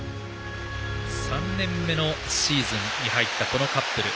３年目のシーズンに入ったこのカップル。